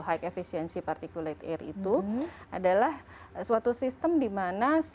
high efficiency particulate air itu adalah suatu sistem di mana si udara yang kosong